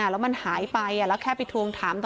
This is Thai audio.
แล้วมันหายไปแล้วแค่ไปทวงถามต่อ